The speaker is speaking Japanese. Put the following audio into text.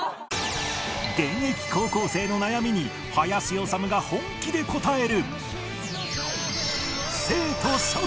現役高校生の悩みに林修が本気で答える